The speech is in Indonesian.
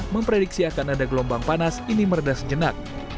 memprediksi akan ada gelombang panas ini merdas jenak